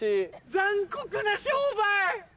残酷な商売！